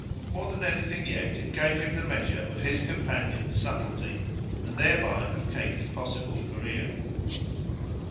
More than anything yet it gave him the measure of his companion's subtlety, and thereby of Kate's possible career.